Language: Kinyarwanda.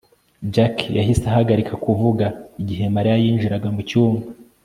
Jack yahise ahagarika kuvuga igihe Mariya yinjiraga mucyumba